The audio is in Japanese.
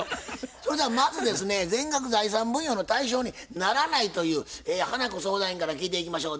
それではまずですね全額財産分与の対象にならないという花子相談員から聞いていきましょう。